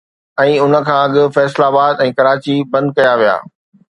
۽ ان کان اڳ فيصل آباد ۽ ڪراچي بند ڪيا ويا